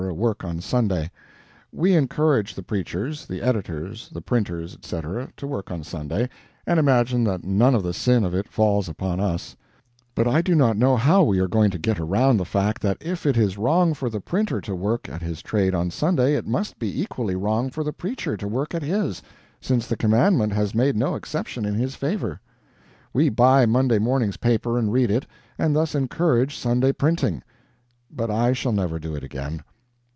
work on Sunday. We encourage the preachers, the editors, the printers, etc., to work on Sunday, and imagine that none of the sin of it falls upon us; but I do not know how we are going to get around the fact that if it is wrong for the printer to work at his trade on Sunday it must be equally wrong for the preacher to work at his, since the commandment has made no exception in his favor. We buy Monday morning's paper and read it, and thus encourage Sunday printing. But I shall never do it again.